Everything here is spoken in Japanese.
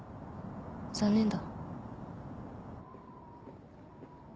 残念だ。